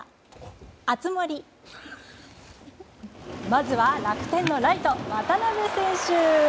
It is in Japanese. まずは楽天のライト渡邊選手。